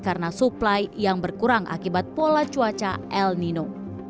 karena supply yang berkurang akibat pola cuaca el nino